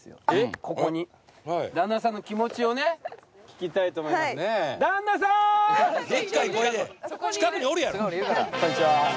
ここに旦那さんの気持ちをね聞きたいと思いますでっかい声で近くにおるやろこんにちはー